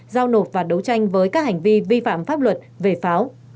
giao nộp và đấu tranh với các hành vi vi phạm pháp luật về pháo